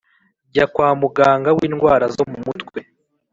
njya kwa muganga windwara zo mumutwe